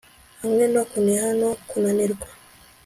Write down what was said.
Hamwe no kuniha no kunanirwa